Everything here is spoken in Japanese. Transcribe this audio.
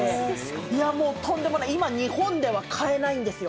いやもうとんでもない、今日本では買えないんですよ。